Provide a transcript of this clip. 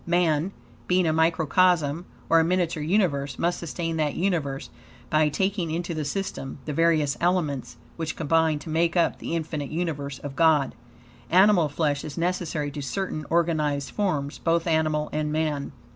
Man, being a microcosm, or a miniature universe, must sustain that universe, by taking into the system the various elements, which combine to make up the Infinite Universe of God. Animal flesh is necessary to certain organized forms, both animal and man.